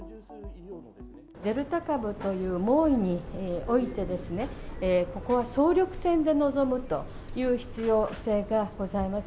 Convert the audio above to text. デルタ株という猛威において、ここは総力戦で臨むという必要性がございます。